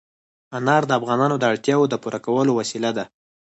انار د افغانانو د اړتیاوو د پوره کولو وسیله ده.